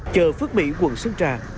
chợ phước mỹ quận sơn trà